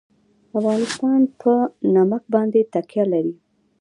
افغانستان په نمک باندې تکیه لري.